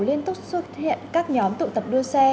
liên tục xuất hiện các nhóm tụ tập đua xe